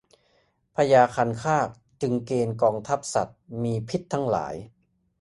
พญาคันคากจึงเกณฑ์กองทัพสัตว์มีพิษทั้งหลาย